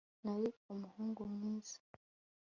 Nari umuhungu mwiza